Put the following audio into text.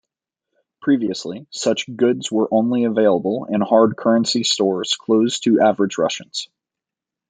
Previously, such goods were only available in hard currency stores closed to average Russians.